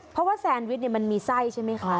เพราะแซนวิชมันมีไส้ใช่ไม่ค่ะ